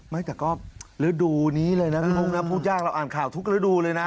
ไม่แต่ก็ฤดูนี้เลยนะพี่บุ๊คนะพูดยากเราอ่านข่าวทุกฤดูเลยนะ